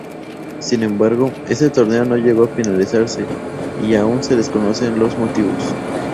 Sin embargo, este torneo no llegó a finalizarse, y aún se desconocen los motivos.